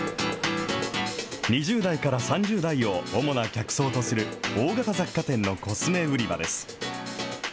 ２０代から３０代を主な客層とする、大型雑貨店のコスメ売り場です。